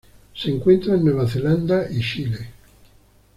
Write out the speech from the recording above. Se encuentra en Nueva Zelanda y Chile.